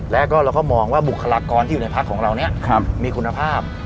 แล้วก็เราก็มองว่าบุคลากรที่อยู่ในพักของเราเนี่ยมีคุณภาพ